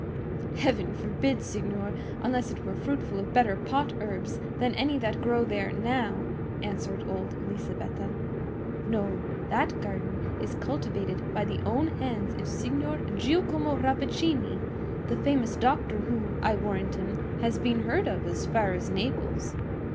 "Heaven forbid, signor, unless it were fruitful of better pot herbs than any that grow there now," answered old Lisabetta. "No; that garden is cultivated by the own hands of Signor Giacomo Rappaccini, the famous doctor, who, I warrant him, has been heard of as far as Naples.